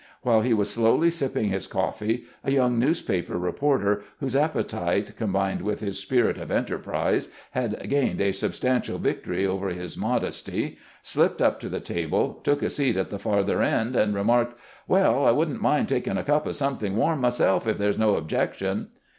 While he was slowly sipping his coffee, a young newspaper reporter, whose appetite, combined with his spirit of enterprise, had gained a substantial victory over his modesty, slipped up to the table, took a seat at the farther end, and remarked, "Well, I would n't mind taking a cup of something warm my self, if there 's no objection."